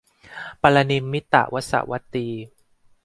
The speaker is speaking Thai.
ปรนิมมิตวสวัตดี